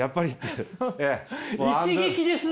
一撃ですね！